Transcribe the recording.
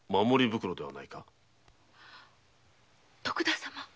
徳田様？